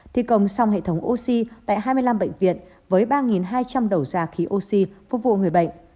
thi công xong hệ thống oxy tại hai mươi năm bệnh viện với ba hai trăm linh đầu ra khí oxy phục vụ người bệnh